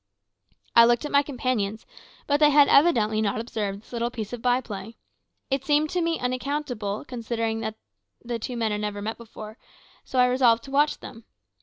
I looked at my companions, but they had evidently not observed this little piece of by play. It seemed to me so unaccountable, considering that the two men had never met before, that I resolved to watch them.